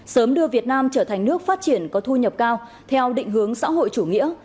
sớm đưa việt nam trở thành nước phát triển có thu nhập cao theo định hướng xã hội chủ nghĩa